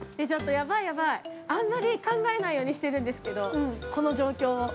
ちょっと、ヤバいヤバい、あんまり考えないようにしてるんですけど、この状況。